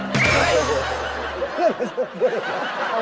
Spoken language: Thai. เพื่อนกันไซค์ด้วย